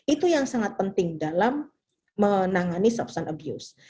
itu yang sangat penting dalam menangani substance abuse